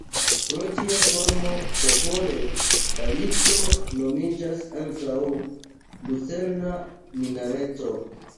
Pro ĝia formo popole la lifto nomiĝas ankaŭ Lucerna Minareto.